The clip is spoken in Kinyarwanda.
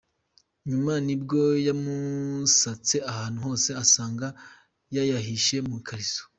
Nyuma nibwo yamusatse ahantu hose asanga yayahishe mu ikariso.